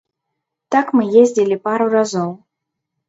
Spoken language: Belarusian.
Так мы ездзілі пару разоў.